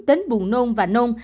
đến buồn nôn và nôn